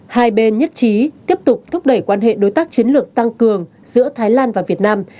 hai bên nhất trí tiếp tục thúc đẩy quan hệ đối tác chiến lược tăng cường giữa thái lan và việt nam